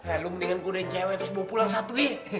eh lo mendingan gue deh cewek terus mau pulang satu